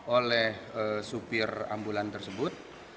oleh supir ambulan tersebut